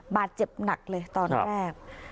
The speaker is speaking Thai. บาดเจ็บหนักเลยตอนแรก